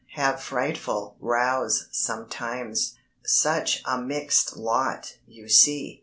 Have frightful rows sometimes, such a mixed lot, you see."